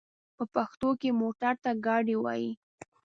په پښتو کې موټر ته ګاډی وايي.